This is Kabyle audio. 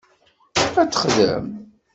Ad t-texdem.